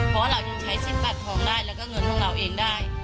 เพราะว่าเรายังใช้สิทธิ์บัตรทองได้แล้วก็เงินของเราเองได้